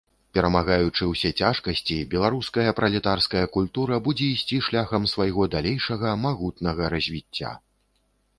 Перамагаючы ўсе цяжкасці, беларуская пралетарская культура будзе ісці шляхам свайго далейшага магутнага развіцця.